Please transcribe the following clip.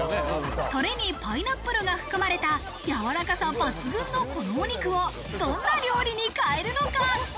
タレにパイナップルが含まれた、やわらかさ抜群のこのお肉をどんな料理に変えるのか？